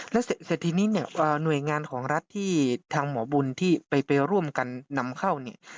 แล้วเสร็จทีนี้เนี่ยหน่วยงานของรัฐที่ทางหมอบุญที่ไปร่วมกันนำเข้าเนี่ย